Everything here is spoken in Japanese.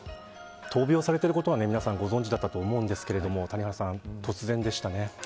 闘病されていることは皆さんご存じだと思うんですけれども谷原さん、突然でしたね。